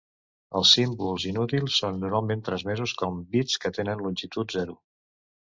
Els símbols inútils són normalment transmesos com bits que tenen longitud zero.